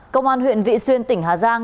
công an huyện vị xuyên tỉnh hà giang